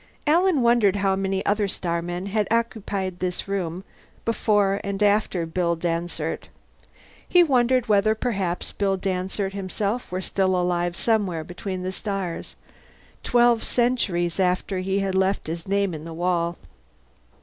Alan wondered how many other starmen had occupied the room before and after Bill Dansert. He wondered whether perhaps Bill Dansert himself were still alive somewhere between the stars, twelve centuries after he had left his name in the wall.